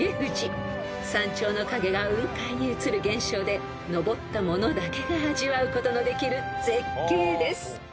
［山頂の影が雲海に映る現象で登った者だけが味わうことのできる絶景です］